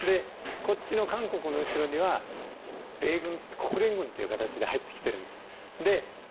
韓国の後ろには米軍が国連軍という形で入ってきてるんです。